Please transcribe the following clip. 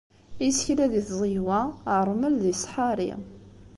Isekla di tẓegwa ṛṛmel di ṣṣḥari.